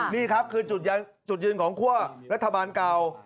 นี่ครับคือจุดยืนของคั่วรัฐบาลเก่า